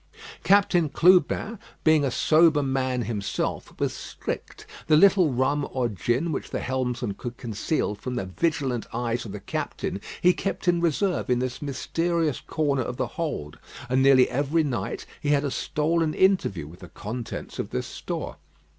Captain Clubin, being a sober man himself, was strict. The little rum or gin which the helmsman could conceal from the vigilant eyes of the captain, he kept in reserve in this mysterious corner of the hold, and nearly every night he had a stolen interview with the contents of this store.